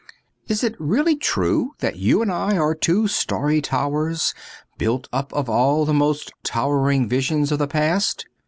Is it really true that you and I are two starry towers built up of all the most towering visions of the past